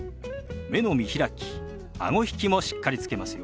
目の見開きあご引きもしっかりつけますよ。